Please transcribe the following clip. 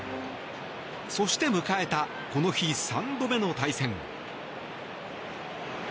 そして、迎えたこの日３度目の対戦。